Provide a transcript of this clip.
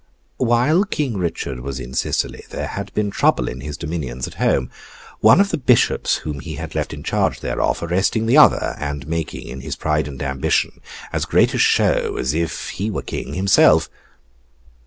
While King Richard was in Sicily, there had been trouble in his dominions at home: one of the bishops whom he had left in charge thereof, arresting the other; and making, in his pride and ambition, as great a show as if he were King himself.